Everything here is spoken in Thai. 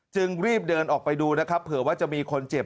จึงรีบเดินออกไปดูนะครับเผื่อว่าจะมีคนเจ็บ